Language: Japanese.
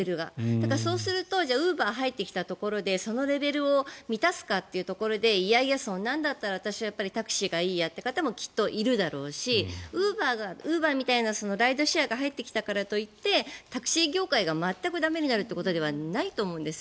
だからそうするとウーバーが入ってきたところでそのレベルを満たすかというところでいやいや、そんなんだったら私はやっぱりタクシーがいいやという方もきっといるだろうしウーバーみたいなライドシェアが入ってきたからといってタクシー業界が全く駄目になるということではないと思うんです。